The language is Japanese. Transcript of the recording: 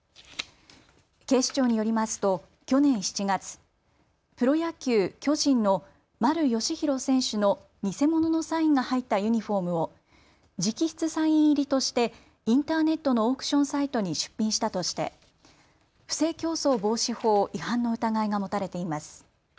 警視庁によりますと去年７月、プロ野球、巨人の丸佳浩選手の偽物のサインが入ったユニフォームを直筆サイン入りとしてインターネットのオークションサイトに出品したとして不正競争防止法違反の疑いが持たれています。